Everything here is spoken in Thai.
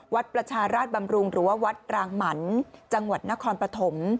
วัดประชาราชบำรุงหรือว่าวัดรางหมันจังหวัดนครปฐม